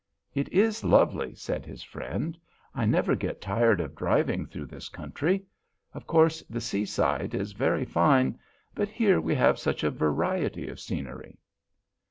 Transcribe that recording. "It is lovely," said his friend; "I never get tired of driving through this country. Of course the seaside is very fine, but here we have such a variety of scenery."